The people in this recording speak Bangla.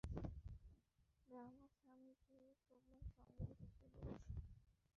রামাসামিকে প্রমাণ সংগ্রহ করতে বলেছি।